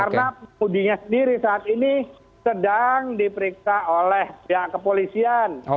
karena pengemudinya sendiri saat ini sedang diperiksa oleh kepolisian